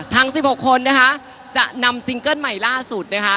ทั้ง๑๖คนนะคะจะนำซิงเกิ้ลใหม่ล่าสุดนะคะ